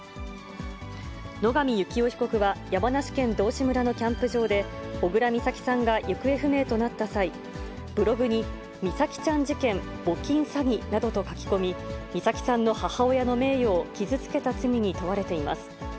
野上幸雄被告は、山梨県道志村のキャンプ場で、小倉美咲さんが行方不明となった際、ブログに美咲ちゃん事件募金詐欺などと書き込み、美咲さんの母親の名誉を傷つけた罪に問われています。